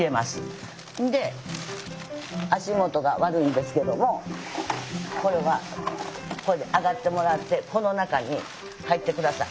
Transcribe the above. んで足元が悪いんですけどもこれは上がってもらってこの中に入ってください。